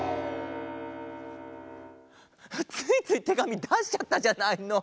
ついついてがみだしちゃったじゃないの。